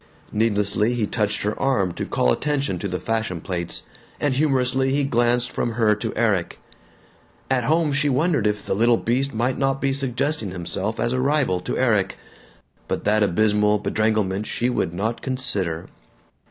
Needlessly he touched her arm to call attention to the fashion plates, and humorously he glanced from her to Erik. At home she wondered if the little beast might not be suggesting himself as a rival to Erik, but that abysmal bedragglement she would not consider.